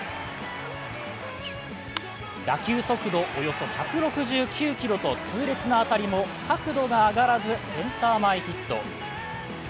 打球速度およそ１６９キロと痛烈な当たりも角度が上がらずセンター前ヒット。